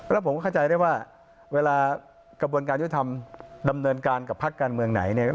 แล้วผมเข้าใจได้ว่าเวลากระบวนการยุทธธรรมดำเนินการกับพักการเมืองไหนเนี่ย